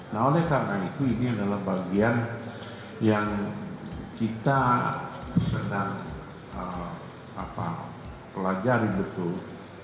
nah oleh karena itu ini adalah bagian yang kita sedang pelajari betul